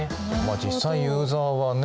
実際ユーザーはね